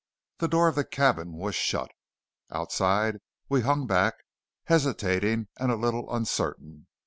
The door of the cabin was shut. Outside we hung back, hesitating and a little uncertain.